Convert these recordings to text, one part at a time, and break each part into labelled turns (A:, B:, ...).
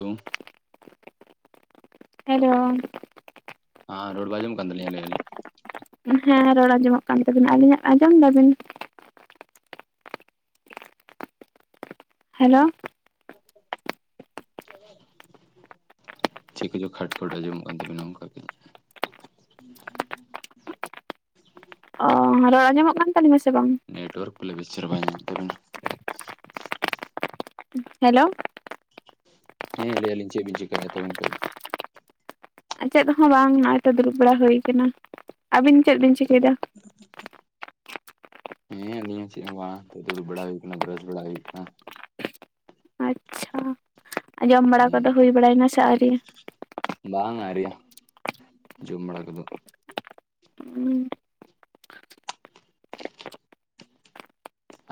A: ᱫᱚᱢ
B: ᱦᱮᱞᱳ
A: ᱦᱮᱸ ᱨᱚᱲ ᱠᱚ ᱟᱸᱡᱚᱢ ᱠᱟᱱ ᱛᱟᱹᱞᱤᱧᱟ ᱟᱹᱞᱤᱧ ᱟᱹᱞᱤᱧ ᱾
B: ᱦᱮᱸ ᱨᱚᱲ ᱟᱸᱡᱚᱢᱚᱜ ᱠᱟᱱ ᱛᱟᱵᱤᱱᱟ ᱟᱹᱞᱤᱧᱟᱜ ᱟᱸᱡᱚᱢ ᱫᱟᱵᱤᱱ ᱾ ᱦᱮᱞᱳ
A: [inaudible] ᱪᱮᱜ ᱠᱚᱪᱚ ᱠᱷᱟᱴ ᱠᱷᱚᱴ ᱟᱸᱡᱚᱢᱚᱜ ᱠᱟᱱ ᱛᱟᱵᱤᱱᱟ ᱚᱱᱠᱟ ᱜᱮ ᱾ [inaudible]
B: ᱚ ᱨᱚᱲ ᱟᱸᱡᱚᱢᱚᱜ ᱠᱟᱱ ᱛᱟᱹᱞᱤᱧᱟ ᱥᱮ ᱵᱟᱝ ᱾
A: ᱱᱮᱴᱣᱟᱨᱠ ᱠᱚ ᱵᱮᱥ ᱪᱮᱦᱨᱟ ᱵᱟᱭ ᱧᱟᱢᱮᱫ ᱛᱟᱵᱮᱱᱟ ᱾
B: ᱦᱮᱞᱳ
A: ᱦᱮᱸ ᱞᱟᱹᱭᱭᱟᱞᱤᱧ ᱪᱮᱜ ᱵᱤᱱ ᱪᱮᱠᱟᱭ ᱮᱭᱟ [unintelligible]
B: ᱪᱮᱫ ᱦᱚᱸ ᱵᱟᱝ ᱱᱚᱜᱼᱚᱭ ᱛᱚ ᱫᱩᱲᱩᱵ ᱵᱟᱲᱟ ᱦᱩᱭ ᱟᱠᱟᱱᱟ ᱟᱹᱵᱤᱱ ᱪᱮᱜ ᱵᱤᱱ ᱪᱤᱠᱟᱹᱭ ᱮᱫᱟ ᱾
A: [inaudible] ᱦᱮᱸ ᱟᱹᱞᱤᱧ ᱦᱚᱸ ᱪᱮᱜ ᱦᱚᱸ ᱵᱟᱝ ᱱᱤᱛᱚᱜ ᱫᱩᱲᱩᱵ ᱵᱟᱲᱟ ᱦᱩᱭ ᱠᱟᱱᱟ ᱵᱨᱟᱥ ᱵᱟᱲᱟ ᱦᱩᱭᱩᱜ ᱠᱟᱱᱟ ᱾
B: ᱟᱪᱪᱷᱟ ᱡᱚᱢ ᱵᱟᱲᱟ
A: ᱦᱮᱸ
B: ᱠᱚᱫᱚ ᱦᱩᱭ ᱵᱟᱲᱟᱭ ᱮᱱᱟ ᱥᱮ ᱟᱣᱨᱤ ᱾
A: ᱵᱟᱝ ᱟᱣᱨᱤᱭᱟ ᱡᱚᱢ ᱵᱟᱲᱟ ᱠᱚᱫᱚ ᱾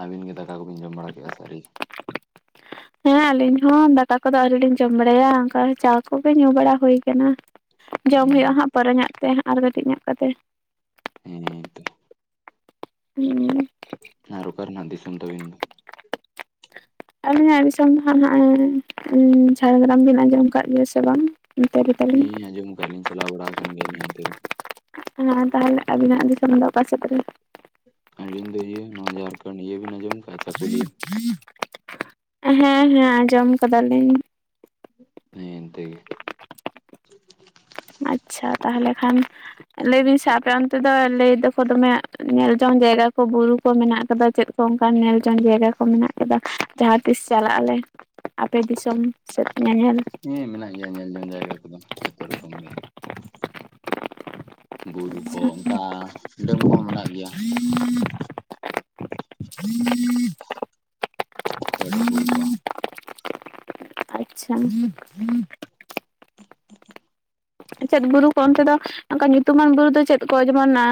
A: ᱟᱹᱵᱤᱱ ᱜᱮ ᱫᱟᱠᱟ ᱠᱚᱵᱤᱱ ᱡᱚᱢ ᱵᱟᱲᱟ ᱠᱮᱫᱼᱟ ᱥᱮ ᱟᱣᱨᱤ ᱾
B: ᱦᱮᱸ ᱟᱹᱞᱤᱧ ᱦᱚᱸ ᱫᱟᱠᱟ ᱠᱚᱫᱚ ᱟᱹᱣᱨᱤ ᱞᱤᱧ ᱡᱚᱢ ᱵᱟᱲᱟᱭᱟ ᱚᱱᱠᱟ ᱪᱟ ᱠᱚᱜᱮ ᱧᱩ ᱵᱟᱲᱟ ᱦᱩᱭ ᱠᱟᱱᱟ ᱾ ᱡᱚᱢ ᱦᱩᱭᱩᱜᱼᱟ ᱦᱟᱸᱜ ᱯᱚᱨᱮ ᱧᱚᱜ ᱛᱮ ᱟᱨ ᱠᱟᱹᱴᱤᱡ ᱧᱚᱜ ᱠᱚᱛᱮ ᱾
A: ᱦᱩᱸ
B: ᱦᱩᱸ
A: ᱟᱨ ᱚᱠᱟ ᱨᱮᱱᱟᱜ ᱫᱤᱥᱚᱢ ᱛᱟᱵᱮᱱ ᱾
B: ᱟᱹᱞᱤᱧᱟᱜ ᱫᱤᱥᱚᱢ ᱫᱚ ᱦᱟᱸᱜ ᱱᱟᱜ ᱮᱸ ᱡᱷᱟᱲᱜᱨᱟᱢ ᱵᱤᱱ ᱟᱸᱡᱚᱢ ᱟᱠᱟᱜ ᱜᱮᱭᱟ ᱥᱮ ᱵᱟᱝ ᱾ [unintelligible]
A: ᱦᱮᱸ ᱟᱸᱡᱚᱢ ᱠᱟᱜ ᱞᱤᱧ ᱪᱟᱞᱟᱣ ᱵᱟᱲᱟᱣ ᱠᱟᱱ ᱜᱮᱭᱟ ᱞᱤᱧ ᱚᱱᱛᱮ ᱾
B: ᱦᱮᱸ ᱛᱟᱦᱚᱞᱮ ᱟᱵᱤᱱᱟᱜ ᱫᱤᱥᱚᱢ ᱫᱚ ᱚᱠᱟ ᱥᱮᱫ ᱨᱮ?
A: ᱟᱹᱞᱤᱧ ᱫᱚ ᱤᱭᱟᱹ ᱱᱚᱣᱟ ᱡᱷᱟᱲᱠᱷᱚᱱᱰ ᱤᱭᱟᱹ ᱵᱤᱱ ᱟᱸᱡᱚᱢ ᱠᱟᱜ ᱪᱟᱹᱠᱩᱨᱤᱭᱟᱹ ᱾
B: [inaudible] ᱦᱮᱸ ᱦᱮᱸ ᱟᱸᱡᱚᱢ ᱠᱟᱫᱟ ᱞᱤᱧ ᱾
A: ᱦᱮᱸ ᱮᱱᱛᱮ ᱜᱮ ᱾
B: ᱟᱪᱪᱷᱟ ᱛᱟᱦᱚᱞᱮ ᱠᱷᱟᱱ ᱞᱟᱹᱭ ᱵᱤᱱ ᱥᱮ ᱟᱯᱮ ᱚᱱᱛᱮ ᱫᱚ ᱞᱟᱹᱭ ᱫᱟᱠᱚ ᱫᱚᱢᱮ ᱧᱮᱞ ᱡᱚᱝ ᱡᱟᱭᱜᱟ ᱠᱚ ᱵᱩᱨᱩ ᱠᱚ ᱢᱮᱱᱟᱜ ᱟᱠᱟᱫᱟ ᱪᱮᱫ ᱾ ᱚᱱᱠᱟᱱ ᱧᱮᱞ ᱡᱚᱝ ᱡᱟᱭᱜᱟ ᱠᱚ ᱢᱮᱱᱟᱜ ᱠᱟᱫᱟ ᱡᱟᱦᱟᱸ ᱛᱤᱥ ᱪᱟᱞᱟᱜ ᱟᱞᱮ ᱟᱯᱮ ᱫᱤᱥᱚᱢ ᱾ ᱪᱮᱜ ᱧᱮᱧᱮᱞ ᱾
A: ᱦᱮᱸ ᱢᱮᱱᱟᱜ ᱜᱮᱭᱟ ᱧᱮᱞ ᱡᱚᱝ ᱡᱟᱭᱜᱟ ᱠᱚᱫᱚ ᱡᱚᱛᱚ ᱨᱚᱠᱚᱢ ᱜᱮ ᱾ ᱵᱩᱨᱩ ᱠᱚ ᱚᱱᱠᱟ ᱰᱮᱢ ᱠᱚᱦᱚᱸ ᱢᱮᱱᱟᱜ ᱜᱮᱭᱟ ᱾ ᱳᱣᱟᱴᱟᱨ ᱠᱩᱞ ᱠᱚ᱾
B: ᱟᱪᱪᱷᱟ᱾
A: [inaudible]
B: ᱪᱮᱫ ᱵᱩᱨᱩ ᱠᱚ ᱚᱱᱛᱮ ᱫᱚ ᱚᱝᱠᱟ ᱧᱩᱛᱩᱢᱟᱱ ᱵᱩᱨᱩ ᱫᱚ ᱪᱮᱫ ᱠᱚ ᱡᱮᱢᱚᱱ ᱟᱻ᱾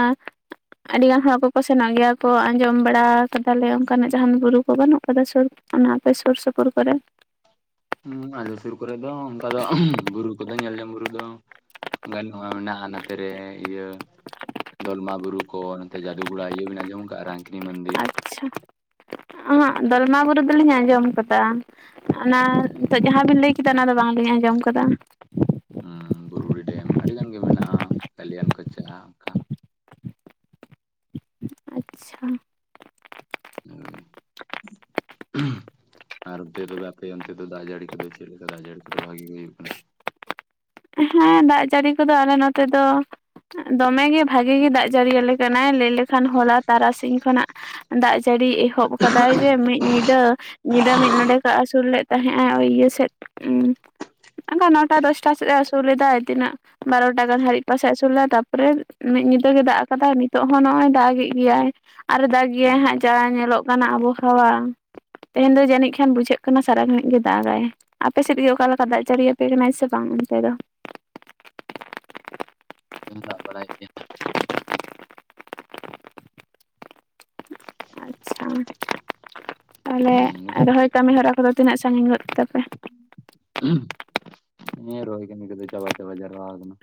B: ᱟᱰᱤ ᱜᱟᱱ ᱦᱚᱲ ᱠᱚᱠᱚ ᱥᱮᱱᱚᱜ ᱜᱮᱭᱟ ᱠᱚ ᱟᱸᱡᱚᱢ ᱵᱟᱲᱟ ᱠᱟᱫᱟᱞᱮ ᱚᱱᱠᱟᱱᱟᱜ ᱡᱟᱦᱟᱱ ᱵᱩᱨᱩ ᱠᱚ ᱵᱟᱱᱩᱜ ᱠᱟᱫᱟ ᱥᱩᱨ ᱚᱱᱟ ᱟᱯᱮ ᱥᱩᱨ ᱥᱩᱯᱩᱨ ᱠᱚᱨᱮ
A: ᱦᱩᱸ ᱟᱞᱮ ᱥᱩᱨ ᱠᱚᱨᱮ ᱫᱚ ᱚᱝᱠᱟ ᱫᱚ ᱵᱩᱨᱩ ᱠᱚᱫᱚ ᱧᱮᱞᱡᱚᱝ ᱵᱩᱨᱩ ᱫᱚ᱾ ᱵᱟᱹᱱᱚᱜ-ᱟ ᱢᱮᱱᱟᱜ-ᱟ ᱱᱟᱛᱮᱨᱮ ᱤᱭᱟᱹ ᱫᱚᱞᱢᱟ ᱵᱩᱨᱩ ᱠᱚ ᱱᱚᱱᱛᱮ ᱡᱟᱫᱩᱜᱚᱲᱟ ᱤᱭᱟᱹ ᱵᱤᱱ ᱟᱸᱡᱚᱢ ᱠᱟᱜ-ᱟ ᱨᱟᱝᱠᱤᱱᱤ ᱢᱟᱹᱱᱫᱤᱨ᱾
B: ᱟᱪᱪᱷᱟ ᱦᱟᱸᱜ ᱫᱚᱞᱢᱟ ᱵᱩᱨᱩ ᱫᱚᱞᱤᱧ ᱟᱸᱡᱚᱢ ᱠᱟᱫᱟ ᱚᱱᱟ ᱱᱤᱛᱚᱜ ᱡᱟᱦᱟᱸᱵᱤᱱ ᱞᱟᱹᱭ ᱠᱮᱫᱟ ᱚᱱᱟ ᱫᱚ ᱵᱟᱝᱞᱤᱧ ᱟᱸᱡᱚᱢ ᱠᱟᱫᱟ᱾
A: ᱩᱢᱻ ᱵᱩᱨᱩᱰᱤ ᱰᱮᱢ ᱟᱰᱤ ᱜᱟᱱ ᱜᱮ ᱢᱮᱱᱟᱜ-ᱟ ᱠᱟᱞᱤᱭᱟᱱ ᱠᱚᱪᱟ ᱚᱝᱠᱟ᱾
B: ᱟᱪᱪᱷᱟ
A: [unintelligible] ᱟᱨ ᱚᱱᱛᱮ ᱛᱚᱵᱮ ᱟᱯᱮ ᱚᱱᱛᱮ ᱫᱚ ᱫᱟᱜ ᱡᱟᱲᱤ ᱠᱚᱫᱚ ᱪᱮᱜ ᱞᱮᱠᱟ ᱫᱟᱜ ᱡᱟᱲᱤ ᱠᱚᱫᱚ ᱵᱷᱟᱜᱤ ᱜᱮ ᱦᱩᱭᱩᱜ ᱠᱟᱱᱟ?
B: ᱦᱮᱸ ᱫᱟᱜ ᱡᱟᱲᱤ ᱠᱚᱫᱚ ᱟᱞᱮ ᱱᱚᱛᱮ ᱫᱚ᱾ ᱫᱚᱢᱮ ᱜᱮ ᱵᱷᱟᱜᱮ ᱜᱮ ᱫᱟᱜ ᱡᱟᱲᱤᱭᱟᱞᱮ ᱠᱟᱱᱟᱭ ᱞᱟᱹᱭ ᱞᱮᱠᱷᱟᱱ ᱦᱚᱞᱟ ᱛᱟᱨᱟᱥᱤᱧ ᱠᱷᱚᱱᱟᱜ᱾ ᱫᱟᱜ ᱡᱟᱹᱲᱤ ᱮᱦᱚᱵ ᱠᱟᱫᱟᱭ ᱡᱮ ᱢᱤᱜ ᱧᱤᱫᱟᱹ᱾ ᱧᱤᱫᱟᱹ ᱢᱤᱜ ᱱᱚᱸᱰᱮᱠᱟᱜ ᱟᱥᱩᱞ ᱞᱮᱜ ᱛᱟᱦᱮᱸᱜ ᱟᱭ ᱳᱭ ᱤᱭᱟᱹ ᱥᱮᱫ ᱩᱸ᱾ ᱚᱝᱠᱟ ᱱᱚᱴᱟ ᱫᱚᱥᱴᱟ ᱥᱮᱫ ᱮ ᱟᱥᱩᱲ ᱞᱮᱫᱟᱭ ᱛᱤᱱᱟᱹᱜ᱾ ᱵᱟᱨᱚᱴᱟ ᱜᱟᱱ ᱦᱟᱨᱤᱡ ᱯᱟᱥᱮᱜ ᱟᱥᱩᱨ ᱞᱮᱜ-ᱟ ᱛᱟᱯᱚᱨᱮ ᱢᱤᱜ ᱧᱤᱫᱟᱹ ᱜᱮ ᱫᱟᱜ ᱠᱟᱫᱟᱭ ᱱᱤᱛᱚᱜ ᱦᱚᱸ ᱱᱚᱜ-ᱚᱭ ᱫᱟᱜᱮᱜ ᱜᱮᱭᱟᱭ᱾ ᱟᱨ ᱮ ᱫᱟᱜ ᱜᱮᱭᱟᱭ ᱦᱟᱸᱜ ᱪᱟᱲᱟ ᱧᱮᱞᱚᱜ ᱠᱟᱱᱟ ᱟᱵᱚᱦᱟᱣᱟ᱾ ᱛᱮᱦᱮᱧ ᱫᱚ ᱡᱟᱹᱱᱤᱡ ᱠᱷᱟᱱ ᱵᱩᱡᱷᱟᱹᱜ ᱠᱟᱱᱟ ᱥᱟᱨᱟ ᱜᱷᱟᱹᱲᱤᱡ ᱜᱮ ᱫᱟᱜᱟᱭ᱾ ᱟᱯᱮ ᱥᱮᱫ ᱜᱮ ᱚᱠᱟ ᱞᱮᱠᱟ ᱫᱟᱜ ᱡᱟᱲᱤᱭᱟᱯᱮ ᱠᱟᱱᱟᱭ ᱥᱮ ᱵᱟᱝ ᱚᱱᱛᱮ ᱫᱚ?
A: ᱦᱩᱸ ᱫᱟᱜ ᱵᱟᱲᱟᱭᱮᱜ ᱜᱮᱭᱟ᱾
B: [inaudible]
A: [inaudible]
B: ᱚ ᱛᱟᱦᱞᱮ ᱨᱚᱦᱚᱭ ᱠᱟᱢᱤ ᱦᱚᱨᱟ ᱠᱚᱫᱚ ᱛᱤᱱᱟᱹᱜ ᱥᱟᱸᱜᱤᱧ ᱜᱚᱫ ᱠᱮᱫᱟᱯᱮ?
A: ᱮᱸ ᱨᱚᱦᱚᱭ ᱠᱟᱹᱢᱤ ᱠᱚᱫᱚ ᱪᱟᱵᱟ ᱪᱟᱵᱟ ᱡᱟᱨᱣᱟ ᱠᱟᱱᱟ᱾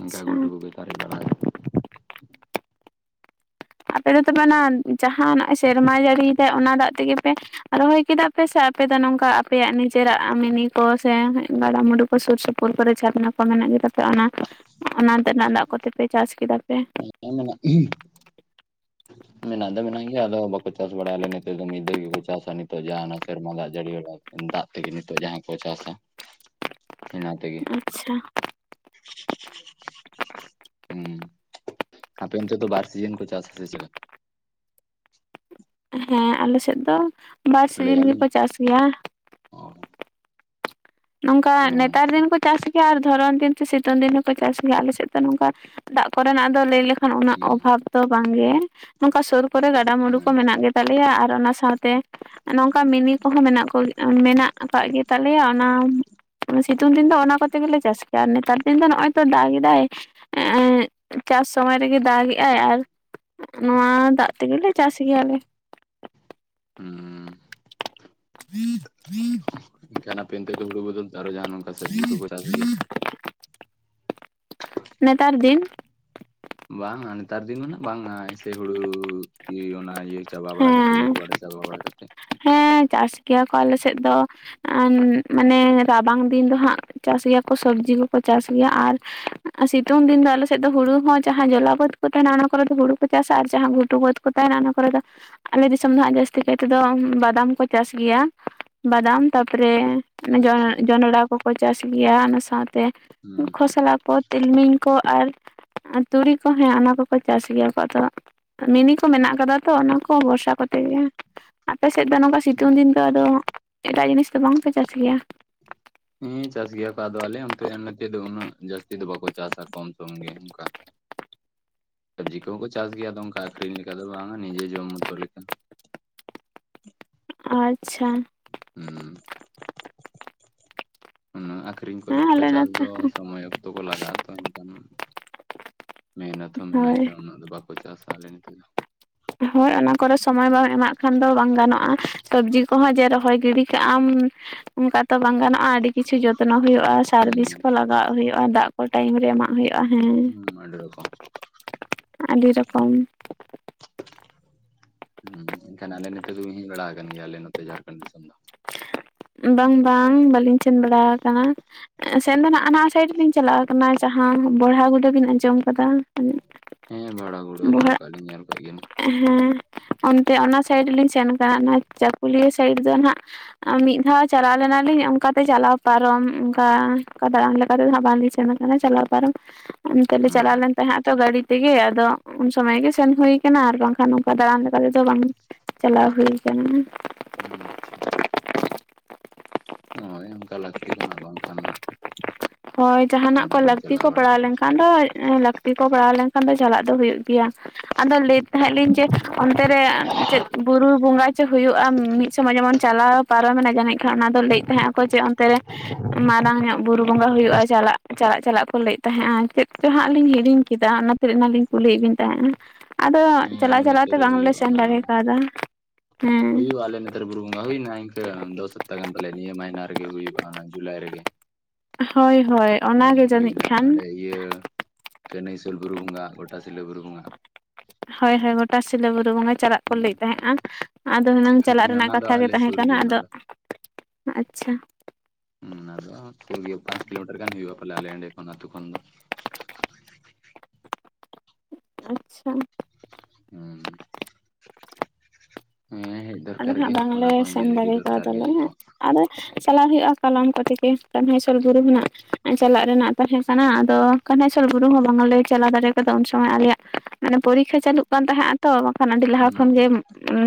A: ᱤᱝᱠᱟ ᱜᱷᱩᱴᱩ ᱠᱚᱜᱮ ᱥᱟᱨᱮᱡ ᱵᱟᱲᱟ ᱠᱟ
B: ᱟᱯᱮ ᱫᱚ ᱛᱚᱵᱮ ᱚᱱᱟ ᱡᱟᱸᱦᱟ ᱱᱟᱜ ᱮ ᱥᱮᱨᱢᱟ ᱡᱟᱹᱲᱤᱭᱮᱫᱟᱭ ᱚᱱᱟ ᱫᱟᱜ ᱛᱮᱜᱮ ᱯᱮ᱾ ᱨᱚᱦᱚᱭ ᱠᱮᱫᱟ ᱯᱮ ᱥᱮ ᱟᱯᱮ ᱫᱚ ᱱᱚᱝᱠᱟ ᱟᱯᱮᱭᱟᱜ ᱱᱤᱡᱮᱨᱟᱜ ᱢᱮᱱᱤ ᱠᱚ ᱥᱮ ᱜᱟᱰᱟ ᱢᱩᱰᱩ ᱠᱚ ᱥᱩᱨ ᱥᱩ ᱯᱩᱨ‌ ᱠᱚᱨᱮ ᱡᱷᱟᱨᱱᱟ ᱠᱚ ᱢᱮᱱᱟᱜ ᱜᱮᱛᱟ ᱯᱮᱭᱟ ᱚᱱᱟ ᱚᱱᱟᱛᱮᱱᱟᱜ ᱫᱟᱜ ᱠᱚᱛᱮᱯᱮ ᱪᱟᱥ ᱠᱮᱫᱟ ᱯᱮ
A: ᱦᱮᱸ ᱢᱮᱱᱟᱜ᱾ ᱢᱮᱱᱟᱜ ᱫᱚ ᱢᱮᱱᱟᱜ ᱜᱮᱭᱟ ᱟᱫᱚ ᱵᱟᱠᱚ ᱪᱟᱥ ᱵᱟᱲᱟᱭ ᱟᱞᱮ ᱱᱮᱛᱮ ᱫᱚ ᱢᱤᱜ ᱫᱷᱟᱹ ᱜᱮᱠᱩ ᱪᱟᱥᱟ ᱱᱤᱛᱚᱜ ᱡᱟᱸᱦᱟ ᱚᱱᱟ ᱥᱮᱨᱢᱟ ᱫᱟᱜ ᱡᱟᱹᱲᱤ ᱦᱚᱞᱟ᱾ ᱫᱟᱜ ᱛᱮᱜᱤ ᱱᱤᱛᱳᱜ ᱡᱟᱸᱦᱟ ᱠᱚ ᱪᱟᱥᱟ ᱚᱱᱟ ᱛᱮᱜᱮ᱾
B: ᱟᱪᱪᱷᱟ᱾
A: [inaudible] ᱦᱩᱸ ᱟᱯᱮ ᱚᱱᱛᱮ ᱫᱚ ᱵᱟᱨ ᱥᱤᱡᱮᱱ ᱠᱚ ᱪᱟᱥᱟ ᱥᱮ ᱪᱮᱠᱟ?
B: ᱦᱮᱸ ᱟᱞᱮᱥᱮᱫ ᱫᱚ ᱵᱟᱨ
A: ᱞᱟᱹᱭᱮᱜᱼᱟ
B: ᱥᱤᱡᱤᱱ ᱜᱮᱠᱚ
A: ᱞᱤᱧ
B: ᱪᱟᱥ ᱜᱮᱭᱟ᱾
A: [unintelligible]
B: ᱱᱚᱝᱠᱟ ᱱᱮᱛᱟᱨ
A: ᱟᱪᱪᱷᱟ
B: ᱫᱤᱱ ᱠᱚ᱾ ᱪᱟᱥ ᱜᱮᱭᱟ ᱟᱨ ᱫᱷᱚᱨᱚᱱ ᱫᱤᱱ ᱥᱮ ᱥᱤᱛᱩᱝ ᱫᱤᱱ ᱦᱚᱸᱠᱚ ᱪᱟᱥ ᱜᱮᱭᱟ ᱟᱞᱮᱥᱮᱫ ᱫᱚ ᱱᱚᱝᱠᱟ ᱫᱟᱜ ᱠᱚᱨᱮᱱᱟᱜ ᱫᱚ ᱞᱟᱹᱭ ᱞᱮ ᱠᱷᱟᱱ ᱚᱱᱟ
A: ᱦᱩᱸ
B: ᱚᱵᱷᱟᱵᱽ ᱫᱚ ᱵᱟᱝᱜᱮ᱾ ᱱᱚᱝᱠᱟ ᱥᱳᱨ ᱠᱚᱨᱮ ᱜᱟᱰᱟ-ᱢᱩᱰᱩ ᱠᱚ
A: ᱟᱪᱪᱷᱟ
B: ᱢᱮᱱᱟᱜ ᱜᱮᱛᱟᱞᱮᱭᱟ ᱟᱨ ᱚᱱᱟ ᱥᱟᱶᱛᱮ᱾ ᱱᱚᱝᱠᱟ ᱢᱤᱱᱤ ᱠᱚᱦᱚᱸ ᱢᱮᱱᱟᱜ ᱠᱚ ᱢᱮᱱᱟᱜ ᱟᱠᱟᱜ ᱜᱮᱛᱟᱞᱮᱭᱟ᱾ ᱚᱱᱟ, ᱥᱤᱛᱩᱝ ᱫᱤᱱ ᱫᱚ ᱚᱱᱟ ᱠᱚᱛᱮ ᱜᱮᱞᱮ ᱪᱟᱥ ᱜᱮᱭᱟ ᱱᱮᱛᱟᱨ ᱫᱤᱱ ᱫᱚ ᱱᱚᱜᱼᱚᱭ ᱛᱚ ᱫᱟᱜ ᱮᱫᱟᱭ ᱾ ᱮᱸᱜ ᱪᱟᱥ ᱥᱚᱢᱚᱭ ᱨᱮᱜᱮ ᱫᱟᱜ ᱮᱜᱼᱟᱭ ᱟᱨ ᱱᱚᱣᱟ ᱫᱟᱜ ᱛᱮᱜᱮ ᱞᱮ ᱪᱟᱥ ᱜᱮᱭᱟᱞᱮ ᱾
A: ᱩᱸᱻ ᱾ ᱠᱷᱟᱱ ᱟᱯᱮ ᱚᱱᱛᱮ ᱫᱚ ᱦᱩᱲᱩ ᱵᱚᱫᱚᱞ ᱛᱮ ᱟᱨᱚ ᱡᱟᱦᱟᱱ ᱚᱝᱠᱟ ᱥᱚᱵᱽᱡᱤ ᱠᱚᱠᱚ ᱪᱟᱥ ᱜᱮᱭᱟ?
B: ᱱᱮᱛᱟᱨ ᱫᱤᱱ
A: ᱵᱟᱝᱟ ᱱᱮᱛᱟᱨ ᱫᱤᱱ ᱫᱚ ᱦᱟᱸᱜ ᱵᱟᱝᱟ ᱥᱮ ᱦᱩᱲᱩ ᱤᱭᱟᱹ ᱚᱱᱟ ᱤᱭᱟᱹ ᱪᱟᱵᱟ ᱵᱟᱲᱟ ᱠᱟᱛᱮ
B: ᱦᱮᱸ
A: ᱤᱨ ᱵᱟᱲᱟ ᱪᱟᱵᱟ ᱵᱟᱲᱟ ᱠᱟᱛᱮ ᱾
B: ᱦᱮᱸ ᱪᱟᱥ ᱜᱮᱭᱟ ᱠᱚ ᱟᱞᱮ ᱥᱮᱫ ᱫᱚ ᱾ ᱮᱸ ᱢᱟᱱᱮ ᱨᱟᱵᱟᱝ ᱫᱤᱱ ᱫᱚ ᱦᱟᱸᱜ ᱪᱟᱥ ᱜᱮᱭᱟᱠᱚ ᱥᱚᱵᱽᱡᱤ ᱠᱚᱠᱚ ᱪᱟᱥ ᱜᱮᱭᱟ ᱟᱨ ᱥᱤᱛᱩᱝ ᱫᱤᱱ ᱫᱚ ᱟᱞᱮ ᱥᱮᱫ ᱫᱚ ᱦᱩᱲᱩ ᱦᱚᱸ ᱡᱟᱦᱟᱸ ᱡᱚᱞᱟ ᱵᱟᱹᱛ ᱠᱚ ᱛᱟᱦᱮᱱᱟ ᱚᱱᱟ ᱠᱚᱨᱮ ᱫᱚ ᱦᱩᱲᱩ ᱠᱚ ᱪᱟᱥᱟ ᱟᱨ ᱡᱟᱦᱟᱸ ᱜᱷᱩᱴᱩ ᱵᱟᱹᱫᱽ ᱠᱚ ᱛᱟᱦᱮᱱᱟ ᱚᱱᱟ ᱠᱚᱨᱮ ᱫᱚ, ᱟᱞᱮ ᱫᱤᱥᱚᱢ ᱫᱚ ᱦᱟᱸᱜ ᱡᱟᱹᱥᱛᱤ ᱠᱟᱭ ᱛᱮᱫᱚ ᱵᱟᱫᱟᱢ ᱠᱚ ᱪᱟᱥ ᱜᱮᱭᱟ, ᱵᱟᱫᱟᱢ ᱛᱟᱯᱚᱨᱮ
A: ᱟᱪᱪᱷᱟ
B: ᱡᱚᱱᱰᱨᱟ ᱠᱚ ᱾ ᱠᱚ ᱪᱟᱥ ᱜᱮᱭᱟ, ᱚᱱᱟ ᱥᱟᱶᱛᱮ
A: ᱦᱩᱸ
B: ᱠᱷᱚᱥᱞᱟ ᱠᱚ ᱾ ᱛᱤᱞᱢᱤᱧ ᱠᱚ ᱟᱨ ᱛᱩᱲᱤ ᱠᱚ ᱦᱮᱸ ᱚᱱᱟ ᱠᱚᱠᱚ ᱪᱟᱥ ᱜᱮᱭᱟ ᱠᱚ ᱟᱫᱚ ᱢᱤᱱᱤ ᱠᱚ ᱢᱮᱱᱟᱜ ᱟᱠᱟᱫᱟ ᱛᱚ ᱚᱱᱟ ᱠᱚ ᱵᱚᱨᱥᱟ ᱠᱚᱛᱮ ᱜᱮ ᱾ ᱟᱯᱮ ᱥᱮᱫ ᱫᱚ ᱱᱚᱝᱠᱟ
A: ᱦᱩᱸ
B: ᱥᱤᱛᱩᱝ ᱫᱤᱱ ᱫᱚ ᱟᱫᱚ ᱮᱴᱟᱜ ᱡᱤᱱᱤᱥ ᱫᱚ ᱵᱟᱝᱯᱮ ᱪᱟᱥ ᱜᱮᱭᱟ?
A: ᱦᱮᱸ ᱪᱟᱥ ᱜᱮᱭᱟ ᱠᱚ, ᱟᱫᱚ ᱟᱞᱮ ᱚᱱᱛᱮ ᱱᱚᱛᱮ ᱫᱚ ᱩᱱᱟᱹᱜ ᱡᱟᱹᱥᱛᱤ ᱫᱚ ᱵᱟᱠᱚ ᱪᱟᱥᱟ ᱠᱚᱢ ᱥᱚᱢ ᱜᱮ ᱚᱱᱠᱟ ᱾ ᱥᱚᱵᱽᱡᱤ ᱠᱚᱦᱚᱸ ᱠᱚ ᱪᱟᱥ ᱜᱮᱭᱟ ᱟᱫᱚ ᱚᱱᱠᱟ ᱟᱠᱷᱨᱤᱧ ᱞᱮᱠᱟ ᱫᱚ ᱵᱟᱝ-ᱟ ᱱᱤᱡᱮ ᱡᱚᱢ ᱢᱚᱛᱚ ᱞᱮᱠᱟ ᱾
B: ᱟᱪᱪᱷᱟ ᱾
A: ᱦᱩᱸ, ᱦᱩᱸ [unintelligible] ᱠᱚᱨᱮ
B: ᱦᱮᱸ ᱟᱞᱮ
A: ᱪᱟᱥ
B: ᱱᱚᱛᱮ
A: ᱫᱚ ᱥᱚᱢᱚᱭ ᱚᱠᱛᱚ ᱠᱚ ᱞᱟᱜᱟᱜᱼᱟ ᱛᱚ ᱮᱱᱠᱷᱟᱱ ᱢᱮᱦᱱᱚᱛ ᱦᱚᱸ ᱢᱮᱱᱟᱜ-ᱟ
B: ᱦᱳᱭ
A: ᱮᱱᱠᱷᱟᱱ ᱩᱱᱟᱹᱜ ᱫᱚ ᱵᱟ ᱪᱟᱥᱟ ᱟᱞᱮ ᱱᱚᱛᱮ ᱫᱚ ᱾
B: ᱦᱳᱭ ᱚᱱᱟ ᱠᱚᱨᱮ ᱥᱚᱢᱚᱭ ᱵᱟᱢ ᱮᱢᱟᱜ ᱠᱷᱟᱱ ᱫᱚ ᱵᱟᱝ ᱜᱟᱱᱚᱜᱼᱟ, ᱥᱚᱵᱡᱤ ᱠᱚᱸᱦᱚᱸ ᱡᱮ ᱨᱚᱦᱚᱭ ᱜᱤᱰᱤ ᱠᱟᱜ ᱟᱢ ᱚᱱᱠᱟ ᱛᱚ ᱵᱟᱝ ᱜᱟᱱᱚᱜᱼᱟ ᱟᱹᱰᱤ ᱠᱤᱪᱷᱩ ᱡᱚᱛᱱᱚ ᱦᱩᱭᱩᱜᱼᱟ ᱥᱟᱨ,
A: ᱦᱩᱸ
B: ᱵᱤᱥ ᱠᱚ ᱞᱟᱜᱟᱣ ᱦᱩᱭᱩᱜᱼᱟ, ᱫᱟᱜ ᱠᱚ ᱴᱟᱭᱤᱢ ᱨᱮ ᱮᱢᱟᱜ ᱦᱩᱭᱩᱜᱼᱟ ᱦᱮᱸ ᱾
A: [unintelligible]
B: ᱟᱹᱰᱤ ᱨᱚᱠᱚᱢ ᱾
A: ᱦᱩᱸ ᱮᱱᱠᱷᱟᱱ ᱟᱞᱮ ᱱᱚᱛᱮ ᱫᱚᱢ ᱦᱮᱡ ᱵᱟᱲᱟ ᱟᱠᱟᱱ ᱜᱮᱭᱟ ᱟᱞᱮ ᱱᱚᱛᱮ ᱡᱷᱟᱲᱠᱷᱚᱸᱰ ᱫᱤᱥᱚᱢ ᱫᱚ?
B: ᱵᱟᱝ ᱵᱟᱝ ᱵᱟᱹᱞᱤᱧ ᱥᱮᱱ ᱵᱟᱲᱟ ᱟᱠᱟᱱᱟ ᱾ ᱥᱮᱱ ᱫᱚ ᱱᱟᱜ-ᱟ ᱱᱟᱣᱟ ᱥᱟᱭᱤᱰ ᱞᱤᱧ ᱪᱟᱞᱟᱣ ᱠᱟᱱᱟ ᱡᱟᱦᱟᱸ ᱵᱚᱲᱦᱟ ᱜᱚᱰᱟᱹ ᱵᱤᱱ ᱟᱸᱡᱚᱢ ᱟᱠᱟᱫᱟ?
A: ᱦᱮᱸ ᱵᱷᱟᱲᱟᱜᱩᱲᱟᱹ
B: ᱵᱚᱲᱦᱟ
A: ᱟᱡᱚᱢ ᱠᱟᱜ-ᱟ ᱞᱤᱧ ᱧᱮᱞ ᱠᱟᱜ ᱜᱮᱭᱟ ᱞᱤᱧ ᱾
B: ᱦᱮᱸ ᱚᱱᱛᱮ ᱚᱱᱟ ᱥᱟᱭᱤᱰ ᱞᱤᱧ ᱥᱮᱱ ᱠᱟᱱᱟ ᱚᱱᱟ ᱪᱟᱹᱠᱩᱞᱤᱭᱟᱹ ᱥᱟᱭᱤᱰ ᱫᱚ ᱱᱟᱦᱜ ᱟ ᱢᱤ ᱫᱷᱟᱣ ᱪᱟᱞᱟᱣ ᱞᱮᱱᱟᱞᱤᱧ ᱚᱱᱠᱟᱛᱮ ᱪᱟᱞᱟᱣ ᱯᱟᱨᱚᱢ ᱚᱱᱠᱟ ᱚᱱᱠᱟ ᱫᱟᱲᱟᱱ ᱞᱮᱠᱟ ᱛᱮᱫᱚ ᱦᱟᱸᱜ ᱵᱟᱝᱞᱤᱧ ᱥᱮᱱ ᱟᱠᱟᱱᱟ ᱪᱟᱞᱟᱣ ᱯᱟᱨᱚᱢ ᱚᱱᱛᱮ ᱞᱮ
A: ᱦᱩᱸ
B: ᱪᱟᱞᱟᱣ ᱞᱮᱱ ᱛᱟᱦᱮᱸᱜ ᱛᱚ ᱜᱟᱹᱰᱤ ᱛᱮᱜᱮ ᱟᱫᱚ ᱩᱱ ᱥᱚᱢᱚᱭ ᱜᱮ ᱥᱮᱱ ᱦᱩᱭ ᱠᱟᱱᱟ ᱟᱨ ᱵᱟᱝᱠᱷᱟᱱ ᱚᱱᱠᱟ ᱫᱟᱬᱟᱱ ᱞᱮᱠᱟ ᱛᱮᱫᱚ ᱵᱟᱝ ᱾ ᱪᱟᱞᱟᱣ ᱦᱩᱭ ᱠᱟᱱᱟ ᱾
A: ᱟᱪᱪᱷᱟ ᱾ ᱦᱳᱭ ᱚᱱᱠᱟ ᱞᱟᱹᱠᱛᱤ ᱠᱟᱱᱟ ᱵᱟᱝᱠᱷᱟᱱ
B: ᱦᱳᱭ ᱡᱟᱦᱟᱱᱟᱜ ᱠᱚ
A: ᱚᱠᱟᱱᱟᱜ ᱵᱤᱱ
B: ᱞᱟᱹᱠᱛᱤ
A: ᱪᱟᱞᱟᱣ
B: ᱠᱚ ᱯᱟᱲᱟᱣ
A: ᱵᱟᱲᱟᱜᱼᱟ
B: ᱞᱮᱱᱠᱷᱟᱱ ᱫᱚ ᱞᱟᱹᱠᱛᱤ ᱠᱚ ᱯᱟᱲᱟᱣ ᱞᱮᱱᱠᱷᱟᱱ ᱫᱚ ᱪᱟᱞᱟᱜ ᱫᱚ ᱦᱩᱭᱩᱜ ᱜᱮᱭᱟ ᱾ ᱟᱫᱚ ᱞᱟᱹᱭ ᱮᱫ ᱛᱟᱦᱮᱸ ᱞᱤᱧ ᱡᱮ ᱚᱱᱛᱮ ᱨᱮ ᱪᱮᱫ ᱵᱩᱨᱩ ᱵᱚᱸᱜᱟ ᱪᱚ ᱦᱩᱭᱩᱜᱼᱟ ᱢᱤᱫ ᱥᱚᱢᱚᱭ ᱡᱮᱢᱚᱱ ᱪᱟᱞᱟᱣ ᱯᱟᱨᱚᱢᱮᱱᱟ ᱡᱟᱹᱱᱤᱡ ᱠᱷᱟᱱ ᱚᱱᱟ ᱫᱚ ᱞᱟᱹᱭᱮᱫ ᱛᱟᱦᱮᱸᱜ ᱟᱠᱚ ᱡᱮ ᱚᱱᱛᱮ ᱨᱮ ᱢᱟᱨᱟᱝ ᱧᱚᱜ ᱵᱩᱨᱩ ᱵᱚᱸᱜᱟ ᱦᱩᱭᱩᱜᱼᱟ ᱪᱟᱞᱟᱜ, ᱪᱟᱞᱟᱜ ᱪᱟᱞᱟᱜ ᱠᱚ ᱞᱟᱹᱭᱮᱫ ᱛᱟᱦᱮᱸᱜᱼᱟ ᱪᱮᱫ ᱪᱚ ᱦᱟᱸᱜ ᱞᱤᱧ ᱦᱤᱲᱤᱧ ᱠᱮᱫᱟ ᱚᱱᱟᱛᱮ ᱚᱱᱟ ᱞᱤᱧ ᱠᱩᱞᱤᱭᱮᱫ ᱵᱤᱱ ᱛᱟᱦᱮᱸᱱᱟ, ᱟᱫᱚ
A: ᱦᱮᱸ
B: ᱪᱟᱞᱟᱣ
A: ᱟᱞᱮ
B: ᱪᱟᱞᱟᱣ
A: ᱱᱚᱛᱮ
B: ᱛᱮ
A: ᱨᱮ
B: ᱵᱟᱝᱞᱮ
A: ᱦᱩᱭᱩᱜᱼᱟ
B: ᱥᱮᱱ
A: ᱚᱱᱟ
B: ᱫᱟᱲᱮ ᱠᱟᱣᱫᱟ ᱦᱩᱸ᱾
A: ᱦᱩᱭᱩᱜᱼᱟ ᱟᱞᱮ ᱱᱚᱛᱮ ᱵᱩᱨᱩ ᱵᱚᱸᱜᱟ ᱦᱩᱭᱱᱟ ᱤᱝᱠᱟᱹ ᱫᱚ ᱥᱚᱯᱛᱟᱜᱟᱱ ᱯᱟᱞᱮ ᱱᱤᱭᱟᱹ ᱢᱟᱭᱤᱱᱟ ᱨᱮᱜᱮ ᱦᱩᱭᱩᱜᱼᱟ, ᱡᱩᱞᱟᱭ ᱨᱮᱜᱮ᱾
B: ᱦᱳᱭ ᱦᱳᱭ
A: ᱦᱮᱸ
B: ᱚᱱᱟᱜᱮ ᱡᱟᱹᱱᱤᱡ
A: ᱦᱩᱭᱱᱟ
B: ᱠᱷᱟᱱ
A: ᱚᱸᱰᱮ ᱤᱭᱟᱹ ᱠᱟᱹᱱᱟᱹᱭ ᱥᱚᱞ ᱵᱩᱨᱩᱵᱚᱸᱜᱟ ᱜᱚᱴᱟᱥᱤᱞᱟᱹ ᱵᱩᱨᱩᱵᱚᱸᱜᱟ᱾
B: ᱦᱚᱭ ᱦᱚᱭ ᱜᱚᱴᱟᱥᱤᱞᱟᱹ ᱵᱩᱨᱩᱵᱚᱸᱜᱟ ᱪᱟᱞᱟᱜ ᱠᱚ ᱞᱟᱹᱭᱮᱫ
A: ᱦᱮᱸ
B: ᱛᱟᱦᱮᱸᱜᱼᱟ ᱟᱫᱚ ᱦᱩᱱᱟᱹᱝ ᱪᱟᱞᱟᱜ ᱨᱮᱱᱟᱜ
A: ᱚᱱᱟ ᱫᱚ
B: ᱠᱟᱛᱷᱟ ᱜᱮ
A: ᱟᱞᱮ
B: ᱛᱟᱦᱮᱸ
A: ᱥᱩᱨ
B: ᱠᱟᱱᱟ,
A: ᱜᱮᱭᱟ ᱚᱱᱟ
B: ᱟᱫᱚ
A: ᱫᱚ
B: ᱟᱪᱪᱷᱟ᱾
A: ᱦᱩᱸ ᱟᱫᱚ ᱥᱩᱨ ᱜᱮ ᱯᱟᱸᱪ ᱠᱤᱞᱚᱢᱤᱴᱟᱨ ᱜᱟᱱ ᱦᱩᱭᱩᱜᱼᱟ ᱯᱟᱞᱮ ᱟᱞᱮ ᱮᱸᱰᱮ ᱠᱷᱚᱱ ᱫᱚ ᱟᱛᱩ ᱠᱷᱚᱱ ᱫᱚ᱾
B: ᱟᱪᱪᱷᱟ᱾
A: ᱦᱩᱸ᱾ [unintelligible]
B: ᱟᱞᱮ ᱫᱚ ᱦᱟᱸᱜ ᱵᱟᱝ
A: ᱚᱱᱟ
B: ᱞᱮ
A: ᱠᱚᱦᱚᱸ
B: ᱥᱮᱱ
A: ᱧᱮᱞ ᱤᱫᱤ
B: ᱫᱟᱲᱮ
A: ᱫᱚᱨᱠᱟᱨ ᱜᱮ
B: ᱠᱟᱣᱟᱫᱚᱞᱮ
A: ᱡᱚᱛᱚ
B: ᱟᱫᱚ ᱪᱟᱞᱞᱟᱣ ᱦᱩᱭᱩᱜᱼᱟ ᱠᱟᱞᱚᱢ ᱠᱚᱛᱮ ᱜᱮ, ᱠᱟᱹᱱᱦᱟᱹᱭᱥᱚᱞ ᱵᱩᱨᱩ ᱦᱚᱱᱟᱜ ᱪᱟᱞᱟᱜ ᱨᱮᱱᱟᱜ ᱛᱟᱦᱮᱸ ᱠᱟᱱᱟ, ᱟᱫᱚ ᱠᱟᱹᱱᱦᱟᱹᱭᱥᱚᱞ ᱵᱩᱨᱩ ᱦᱚᱸ ᱵᱟᱝᱞᱮ ᱪᱟᱞᱟᱣ ᱫᱟᱲᱮ ᱠᱟᱫᱟ ᱩᱱ ᱥᱚᱢᱚᱭ ᱟᱞᱮᱭᱟᱜ ᱢᱟᱱᱮ ᱯᱚᱨᱤᱠᱷᱟ ᱪᱟᱹᱞᱩᱜ ᱠᱟᱱ ᱛᱟᱦᱮᱸᱫ ᱛᱚ ᱵᱟᱝᱠᱷᱟᱱ ᱟᱹᱰᱤ ᱞᱟᱦᱟ
A: ᱦᱩᱸ
B: ᱠᱷᱚᱱᱜᱮ ᱩᱸ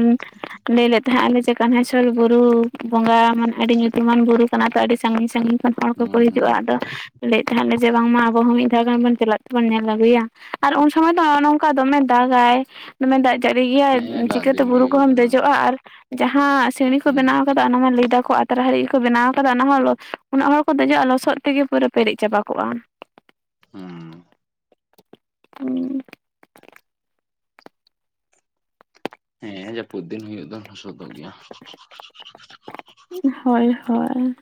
B: ᱞᱟᱹᱭ ᱞᱮᱫ ᱛᱟᱦᱮᱸᱫ ᱟᱞᱮ ᱠᱟᱱᱦᱟᱭᱥᱚᱞ ᱵᱩᱨᱩ ᱵᱚᱸᱜᱟ ᱢᱟᱱᱮ ᱟᱹᱰᱤ ᱧᱩᱛᱩᱢᱟᱱ ᱵᱩᱨᱩ ᱠᱟᱱᱟ ᱛᱚ ᱟᱹᱰᱤ ᱥᱟᱺᱜᱤᱧ ᱥᱟᱺᱜᱤᱧ ᱦᱚᱲ ᱠᱚᱠᱚ
A: ᱦᱩᱸ ᱦᱩᱸ
B: ᱦᱤᱡᱩᱜᱼᱟ ᱟᱫᱚ ᱞᱟᱹᱭᱮᱫ ᱛᱟᱦᱮᱸ ᱞᱮ ᱡᱮ ᱵᱟᱝᱢᱟ ᱟᱵᱚ ᱦᱚᱸ ᱢᱤᱫ ᱫᱷᱟᱣ ᱜᱟᱱ ᱵᱚᱱ ᱪᱟᱞᱟᱜ ᱛᱮᱵᱚᱱ ᱧᱮᱞ ᱟᱹᱜᱩᱭᱟ᱾ ᱟᱨ ᱩᱱ ᱥᱚᱢᱚᱭ ᱫᱚ ᱱᱚᱝᱠᱟ ᱫᱚᱢᱮ ᱫᱟᱜᱟᱭ᱾ ᱫᱚᱢᱮ ᱫᱟᱜ ᱡᱟᱹᱲᱤ ᱜᱮᱭᱟᱭ
A: ᱦᱮᱸ ᱫᱟᱜ
B: ᱪᱤᱠᱟᱹᱛᱮ
A: ᱫᱤᱱ ᱜᱮ
B: ᱵᱩᱨᱩ
A: ᱦᱩᱭᱩᱜᱼᱟ
B: ᱠᱚᱦᱚᱢ
A: ᱚᱱᱟ
B: ᱫᱮᱡᱚᱜᱼᱟ ᱟᱨ ᱡᱟᱦᱟᱸ ᱥᱤᱸᱲᱤᱸ ᱠᱚ
A: ᱦᱩᱸ
B: ᱵᱮᱱᱟᱣ ᱠᱟ ᱚᱱᱟ ᱢᱟ ᱞᱟᱹᱭ ᱫᱫᱟᱠᱚ ᱟᱛᱨᱟ ᱦᱟᱹᱨᱤ ᱜᱮᱠᱚ ᱟᱱᱟᱝ ᱡᱟ ᱞᱟᱹᱭ ᱫᱟᱠ ᱟᱛᱨᱟ ᱦᱟᱹᱨᱤᱡ ᱜᱮ ᱠᱚ ᱵᱮᱱᱟᱣ ᱠᱟᱫᱟ, ᱚᱱᱟ ᱦᱚᱸ ᱩᱱᱟᱹᱜ ᱦᱚᱲ ᱠᱚ ᱫᱮᱡᱚᱜᱼᱟ ᱞᱚᱥᱚᱫ ᱛᱮᱜᱮ ᱯᱩᱨᱟᱹ ᱯᱮᱨᱮᱡ ᱪᱟᱵᱟ ᱠᱚᱜᱼᱟ᱾
A: ᱦᱩᱸ᱾
B: ᱦᱩᱸ᱾
A: ᱦᱮᱸ ᱡᱟᱹᱯᱩᱫ ᱫᱤᱱ ᱦᱩᱭᱩᱜ ᱫᱚ ᱥᱚᱫ ᱜᱮᱭᱟ ᱾
B: ᱦᱚᱭ ᱦᱚᱭ᱾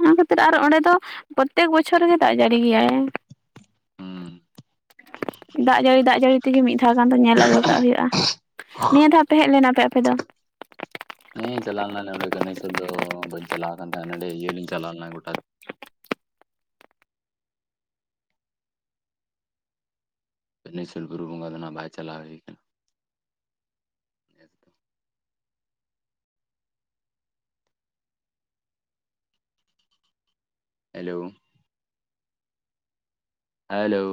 B: ᱚᱱᱟ ᱠᱷᱟᱹᱛᱤᱨ ᱟᱨ ᱚᱸᱰᱮ ᱫᱚ ᱯᱨᱚᱛᱮᱠ ᱵᱚᱪᱷᱚᱨ ᱨᱮᱜᱮ ᱫᱟᱜ ᱡᱟᱹᱲᱤ ᱜᱮᱭᱟᱭ᱾ ᱫᱟᱜ ᱡᱟᱹᱲᱤ ᱫᱟᱜ ᱡᱟᱹᱲᱤ ᱛᱮᱜᱮ ᱢᱤᱫ ᱫᱷᱟᱣ ᱜᱟᱱ ᱫᱚ ᱧᱮᱞ ᱟᱹᱜᱩ ᱠᱟᱜ ᱦᱩᱭᱩᱜᱼᱟ, ᱱᱤᱭᱟᱹ ᱫᱷᱟᱣ ᱯᱮ ᱦᱮᱡ ᱞᱮᱱᱟᱯᱮ ᱟᱯᱮ ᱫᱚ?
A: ᱦᱮᱸ ᱪᱟᱞᱟᱣ ᱞᱮᱱᱟᱞᱮ ᱚᱰᱮ ᱠᱟᱹᱱᱟᱹᱤ ᱥᱟᱹᱨ ᱫᱚ ᱵᱟᱹᱧ ᱪᱟᱞᱣ ᱟᱠᱟᱱ ᱛᱟᱦᱮ ᱱᱚᱰᱮ ᱤᱭᱟᱹᱞᱤᱧ ᱪᱟᱞᱟᱣ ᱞᱮᱱᱟ ᱜᱚᱴᱟ ‍ᱠᱟᱹᱱᱟᱹᱭᱥᱟᱹᱞ ᱵᱩᱨᱩ ᱵᱚᱸᱜᱟ ᱫᱚ ᱱᱟᱜ ᱵᱟᱭ ᱪᱟᱞᱟᱣ ᱦᱩᱭ ᱟᱠᱟᱱᱟ᱾ ᱱᱮᱥ ᱫᱚ ᱦᱮᱞᱚ‍‌᱾‍ ᱦᱮᱞᱚ᱾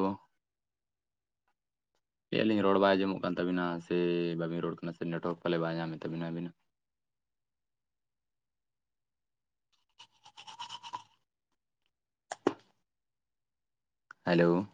A: ᱪᱮᱫ ᱟᱹᱞᱤᱧ ᱨᱚᱲ ᱵᱟᱭ ᱟᱸᱡᱚᱢᱚᱜ ᱠᱟᱱ ᱛᱟᱹᱵᱤᱱᱟ ᱥᱮ ᱵᱟᱹᱵᱤᱱ ᱨᱚᱲ ᱠᱟᱱᱟ ᱥᱮ ᱱᱮᱴᱣᱟᱨᱠ ᱯᱟᱞᱮ ᱵᱟᱭ ᱧᱟᱢᱮᱫ ᱛᱟᱵᱤᱱᱟ ᱟᱹᱵᱤᱱᱟ᱾ ᱦᱮᱞᱚ᱾